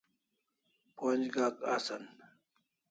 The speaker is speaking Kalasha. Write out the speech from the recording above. Pon'j Gak asan